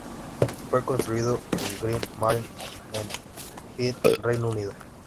Fue construido en "Green Marine" en Hythe, Reino Unido.